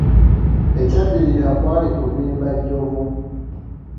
Ekyaddirira kwali kubimba jjovu.